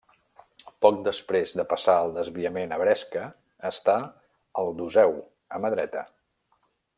Poc després de passar el desviament a Bresca està el d'Useu, a mà dreta.